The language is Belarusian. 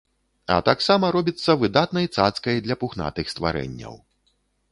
А таксама робіцца выдатнай цацкай для пухнатых стварэнняў.